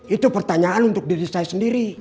itu pertanyaan untuk diri saya sendiri